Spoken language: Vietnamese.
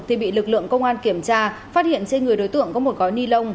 thì bị lực lượng công an kiểm tra phát hiện trên người đối tượng có một gói ni lông